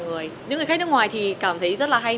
những người khách nước ngoài thì cảm thấy rất là hay